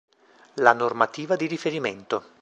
La normativa di riferimento